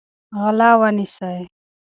غله ونیسئ.